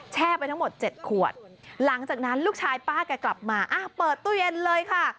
ไปทั้งหมด๗ขวดหลังจากนั้นลูกชายป้าแกกลับมาเปิดตู้เย็นเลยค่ะ